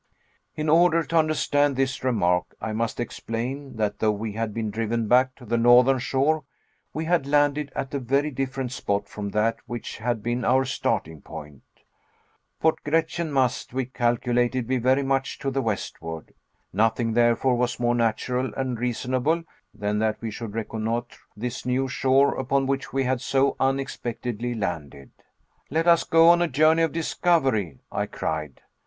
In order to understand this remark, I must explain that though we had been driven back to the northern shore, we had landed at a very different spot from that which had been our starting point. Port Gretchen must, we calculated, be very much to the westward. Nothing, therefore, was more natural and reasonable than that we should reconnoiter this new shore upon which we had so unexpectedly landed. "Let us go on a journey of discovery," I cried.